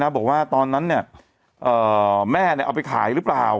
บอกว่าตอนนั้นแม่เอาไปขายหรือเปล่า